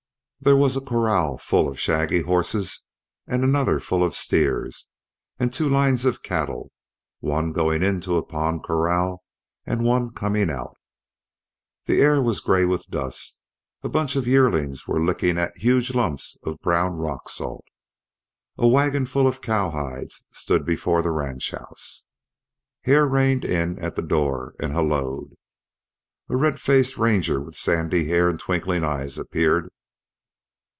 There was a corral full of shaggy horses, and another full of steers, and two lines of cattle, one going into a pond corral, and one coming out. The air was gray with dust. A bunch of yearlings were licking at huge lumps of brown rock salt. A wagonful of cowhides stood before the ranch house. Hare reined in at the door and helloed. A red faced ranger with sandy hair and twinkling eyes appeared.